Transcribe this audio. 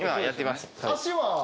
足は？